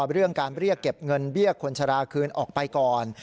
เรื่องการเรียกเก็บเงินเบี้ยคนชะลาคืนออกไปก่อน